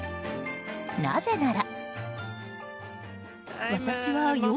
なぜなら。